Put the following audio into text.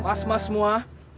mas mas semua